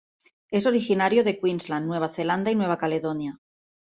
Es originario de Queensland, Nueva Zelanda y Nueva Caledonia.